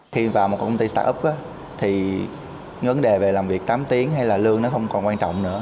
khi vào một công ty start up thì vấn đề về làm việc tám tiếng hay là lương nó không còn quan trọng nữa